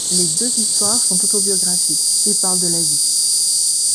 Les deux histoires sont autobiographiques et parlent de la vie.